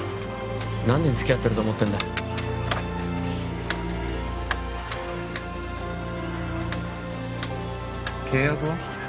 何年つきあってると思ってんだ契約は？